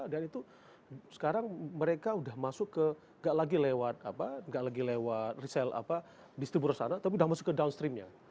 dan itu sekarang mereka udah masuk ke nggak lagi lewat resell distribusional tapi udah masuk ke downstreamnya